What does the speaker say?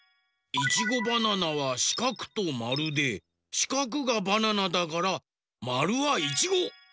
いちごバナナはしかくとまるでしかくがバナナだからまるはいちご！